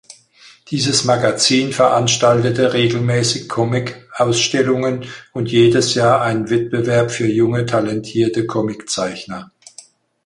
Dieses Magazin veranstaltete regelmäßig Comic-Ausstellungen und jedes Jahr einen Wettbewerb für junge talentierte Comic-Zeichner.